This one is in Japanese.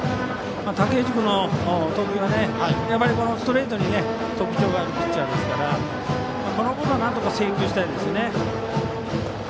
武内君の投球はストレートに特徴があるピッチャーですからこのボールはなんとか制球したいですね。